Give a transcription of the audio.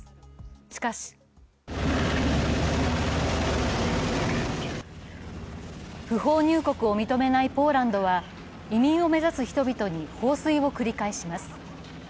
しかし不法入国を認めないポーランドは移民を目指す人々に放水を繰り返します。